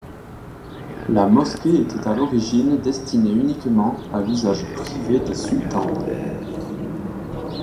La mosquée était à l'origine destinée uniquement à l'usage privé des sultans.